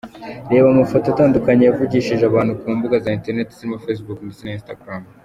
Reba amafoto atandukanye yavugishije abantu ku mbuga za interinet zirimo facebook ndetse na Instagram.